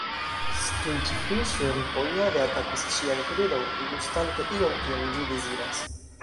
Stultfiŝo refojade atakas ŝian kruron, gustante ion, kion ĝi deziras.